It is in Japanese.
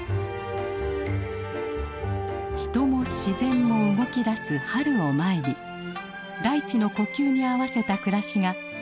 人も自然も動き出す春を前に大地の呼吸に合わせた暮らしが今も続いていました。